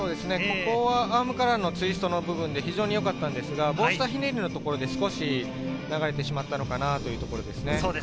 ここはアームからのツイスト部分が非常に良かったんですが、もう１回ひねりのところで少し流れてしまったかなというところです。